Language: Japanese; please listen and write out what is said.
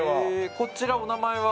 こちらお名前は？